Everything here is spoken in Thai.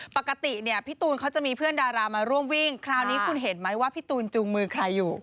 ปกติเนี่ยพี่ตูนเขาจะมีเพื่อนดารามาร่วมวิ่งคราวนี้คุณเห็นไหมว่าพี่ตูนจูงมือใครอยู่